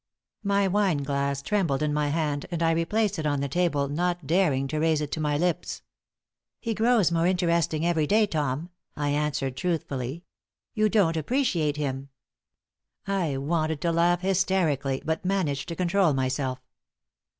My wine glass trembled in my hand, and I replaced it on the table, not daring to raise it to my lips. "He grows more interesting every day, Tom," I answered, truthfully. "You don't appreciate him." I wanted to laugh hysterically, but managed to control myself.